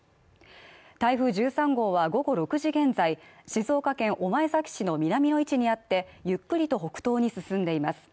台風１３号は午後６時現在静岡県御前崎市の南の位置にあってゆっくりと北東に進んでいます